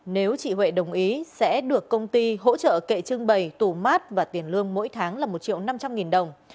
nếu chị huệ đồng ý sẽ được công ty hỗ trợ kệ trưng bày tủ mát và tiền lương mỗi tháng là một triệu năm trăm linh nghìn đồng